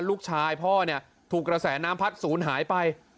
ลูกชายพ่อเนี่ยถูกกระแสน้ำพัดศูนย์หายไป